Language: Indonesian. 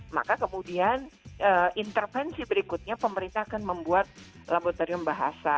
maka kemudian intervensi berikutnya pemerintah akan membuat laboratorium bahasa